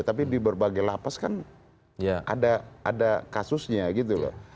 tapi di berbagai lapas kan ada kasusnya gitu loh